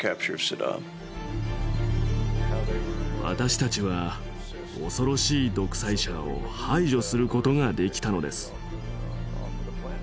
私たちは恐ろしい独裁者を排除する事ができたのです。